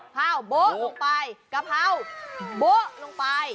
ข้าวโบ๊ะลงไปกะเพราโบ๊ะลงไป